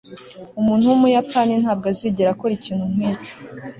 umuntu wumuyapani ntabwo azigera akora ikintu nkicyo